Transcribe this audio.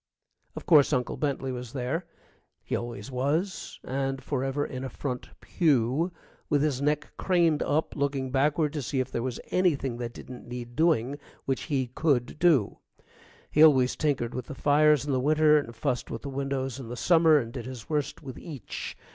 Of course, Uncle Bentley was there he always was, and forever in a front pew, with his neck craned up looking backward to see if there was anything that didn't need doing which he could do. He always tinkered with the fires in the winter and fussed with the windows in the summer, and did his worst with each.